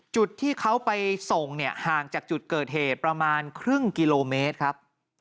จุดที่เขาไปส่งเนี่ยห่างจากจุดเกิดเหตุประมาณครึ่งกิโลเมตรครับ